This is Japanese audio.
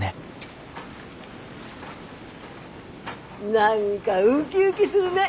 何かウキウキするね！